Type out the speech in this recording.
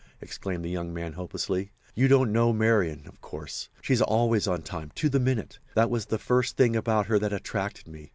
exclaimed the young man, hopelessly. "You don't know Marian—of course. She's always on time, to the minute. That was the first thing about her that attracted me.